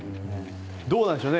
どうなんでしょう。